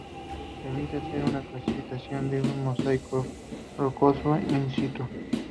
Permite hacer una clasificación de un macizo rocoso 'in situ'.